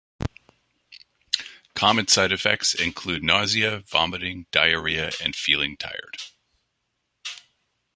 Common side effects include nausea, vomiting, diarrhea, and feeling tired.